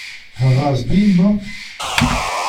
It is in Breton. Ar c'hazh bihan-mañ.